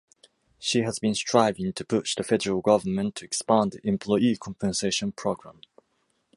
She has been striving to push the federal government to expand employee compensation program.